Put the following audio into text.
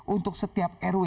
untuk setiap rw